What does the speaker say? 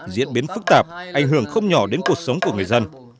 diễn biến phức tạp ảnh hưởng không nhỏ đến cuộc sống của người dân